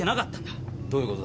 どういうことだ？